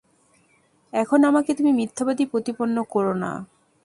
এখন আমাকে তুমি মিথ্যাবাদী প্রতিপন্ন করো না।